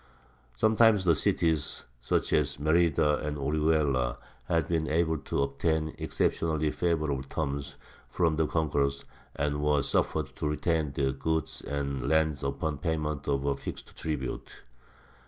Sometimes the cities, such as Merida and Orihuela, had been able to obtain exceptionally favourable terms from the conquerors, and were suffered to retain their goods and lands upon the payment of a fixed tribute.